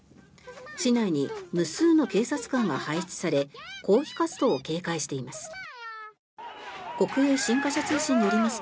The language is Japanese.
市内に無数の警察官が配置され抗議活動を警戒しています。